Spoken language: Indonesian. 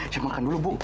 saya makan dulu bu